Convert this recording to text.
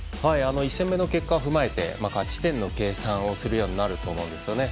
１戦目の結果を踏まえて勝ち点の計算をするようになると思うんですよね。